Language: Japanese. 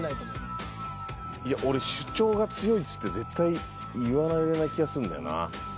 いや俺主張が強いつって絶対言わないような気がするんだよな。